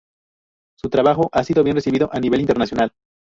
Su trabajo ha sido bien recibido a nivel internacional.